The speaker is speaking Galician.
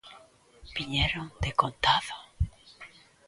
Viñeron decontado.